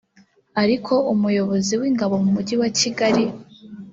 ariko umuyobozi w’Ingabo mu Mujyi wa Kigali